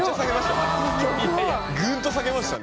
ぐんと下げましたね。